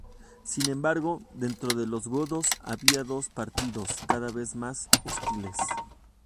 Sin embargo, dentro de los godos había dos partidos, cada vez más hostiles.